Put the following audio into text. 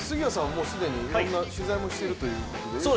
もう既にいろんな取材をしているということで。